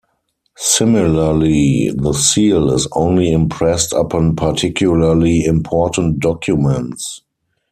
Similarly, the seal is only impressed upon particularly important documents.